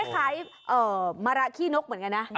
เหมือนกันนะ